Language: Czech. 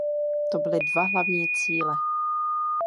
To byly dva hlavní cíle.